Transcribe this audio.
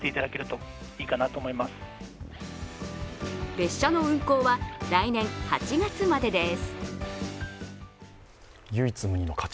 列車の運行は来年８月までです。